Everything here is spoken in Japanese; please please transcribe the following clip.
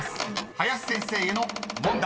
林先生への問題］